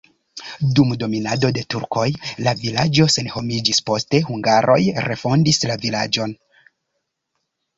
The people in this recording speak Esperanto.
Dum dominado de turkoj la vilaĝo senhomiĝis, poste hungaroj refondis la vilaĝon.